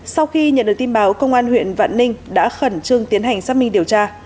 sau khi nhận được tin báo công an huyện vạn ninh đã khẩn trương tiến hành xác minh điều tra